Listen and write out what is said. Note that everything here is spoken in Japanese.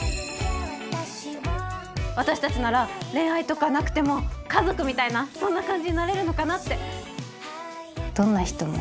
私たちなら恋愛とかなくても家族みたいなそんな感じになれるのかなって。